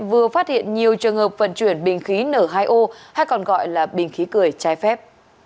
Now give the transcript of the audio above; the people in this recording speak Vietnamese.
vừa phát hiện nhiều trường hợp vận chuyển bình khí n hai o hay còn gọi là bình khí cười trái phép